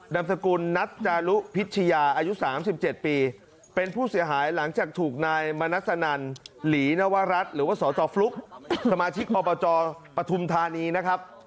นำสกุลนัทจารุพิชยาอายุ๓๗ปีเป็นผู้เสียหายหลังจากถูกนายมณัสนันหลีนวรัฐหรือว่าสจฟลุ๊กสมาชิกอบจปฐุมธานีนะครับ